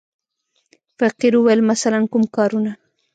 فقیر وویل: مثلاً کوم کارونه.